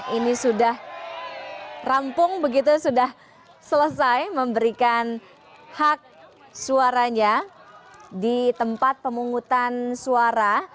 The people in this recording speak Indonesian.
ini sudah rampung begitu sudah selesai memberikan hak suaranya di tempat pemungutan suara